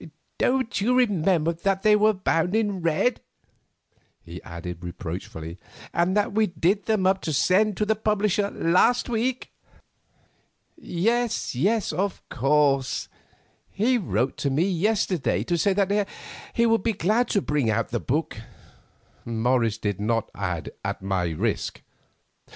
Don't you remember that they were bound in red?" he added reproachfully, "and that we did them up to send to the publisher last week?" "Yes, yes, of course; he wrote to me yesterday to say that he would be glad to bring out the book"—Morris did not add, "at my risk."